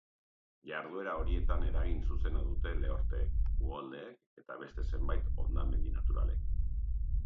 Jarduera horietan eragin zuzena dute lehorteek, uholdeek eta beste zenbait hondamendi naturalek.